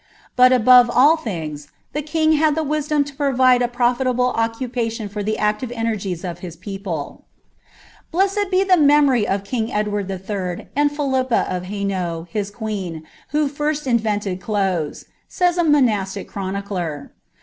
But, above all things, the king had the wiKlmn to provide a profllable occupation for the active enei^ies of bis pec^C "' Blessed be the memory of king Edward HI. and Philippa of Haioaull his i^ueen, who first invented clothes;" says a monastic chronidfr.